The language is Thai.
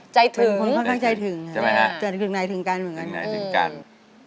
ใจถึงค่ะใจถึงกันเหมือนกันอเรนนี่